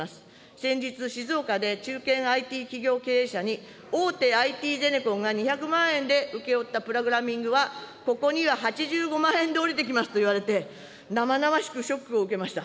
先日、静岡で中堅ＩＴ企業経営者に、大手ＩＴゼネコンが２００万円で請け負ったプログラミングは、ここには８５万円でおりてきますといわれて、生々しくショックを受けました。